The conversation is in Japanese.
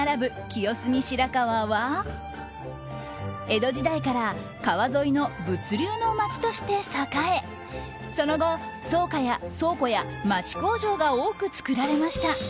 清澄白河は、江戸時代から川沿いの物流の街として栄えその後、倉庫や町工場が多く作られました。